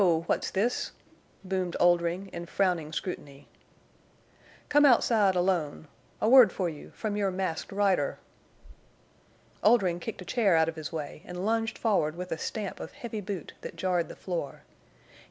What's this?" boomed Oldring, in frowning scrutiny. "Come outside, alone. A word for you—from your Masked Rider!" Oldring kicked a chair out of his way and lunged forward with a stamp of heavy boot that jarred the floor.